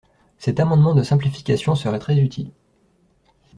Cet amendement de simplification serait très utile.